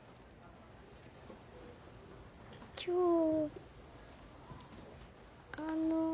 今日あの。